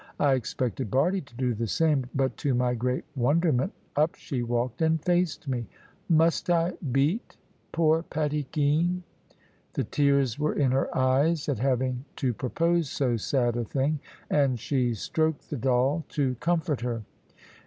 I expected Bardie to do the same; but to my great wonderment up she walked and faced me. "Must I beat poor Patty Geen?" The tears were in her eyes at having to propose so sad a thing. And she stroked the doll, to comfort her.